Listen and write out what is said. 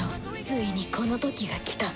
ついにこの時が来た。